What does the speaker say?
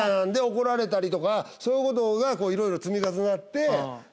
怒られたりそういうことがいろいろ積み重なって。